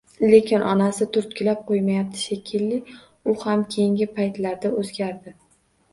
Lekin onasi turtkilab qoʼymayapti shekilli, u ham keyingi paytlarda oʼzgardi.